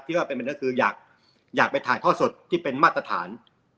ที่ว่าเป็นแบบนั้นก็คืออยากไปถ่ายทอดสดที่เป็นมาตรฐาน